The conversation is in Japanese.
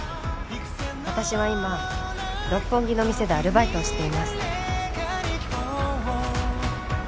「私は今六本木の店でアルバイトをしています」